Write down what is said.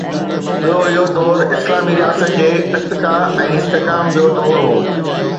ٻيو، اهو دور اسلامي رياست جي ارتقا ۽ استحڪام جو دور هو.